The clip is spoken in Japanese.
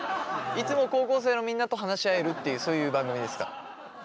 いつも高校生のみんなと話し合えるっていうそういう番組ですから。